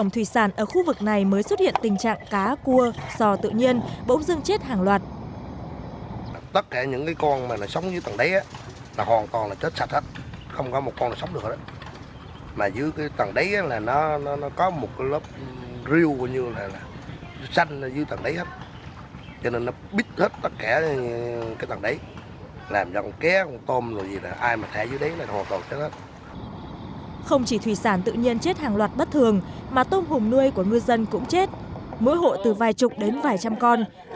theo người dân khu phố phước lý phường xuân yên thị xã sông cầu tỉnh phú yên vùng nuôi trồng thủy sản ở khu vực này mới xuất hiện tình trạng cá cua sò tự nhiên bỗng dưng chết hàng loạt